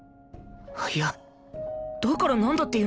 いやだからなんだっていうんだ